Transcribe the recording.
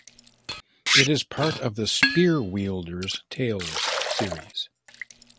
It is part of the Spearwielder's Tales series.